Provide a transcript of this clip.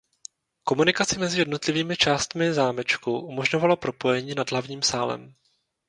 Komunikaci mezi jednotlivými částmi zámečku umožňovalo propojení nad hlavním sálem.